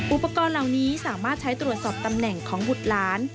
อุปกรณ์เหล่านี้สามารถใช้ตรวจสอบตำแหน่งของบุตรหลาน